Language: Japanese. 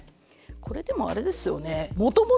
これでもあれですよね